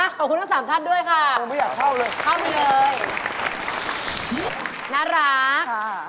ขอบคุณทั้ง๓ท่านด้วยค่ะน่ารัก